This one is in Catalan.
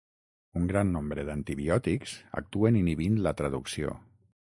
Un gran nombre d'antibiòtics actuen inhibint la traducció.